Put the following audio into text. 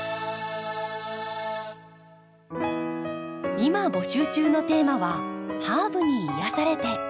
今募集中のテーマは「ハーブに癒やされて」。